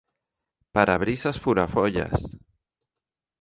¡Parabrisas furafollas!